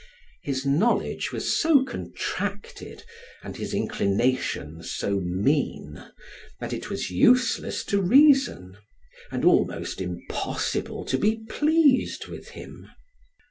His knowledge was so contracted, and his inclinations so mean, that it was useless to reason, and almost impossible to be pleased with him.